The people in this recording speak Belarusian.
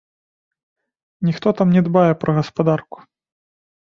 Ніхто там не дбае пра гаспадарку.